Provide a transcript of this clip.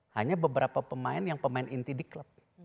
hanya beberapa pemain yang pemain inti di klub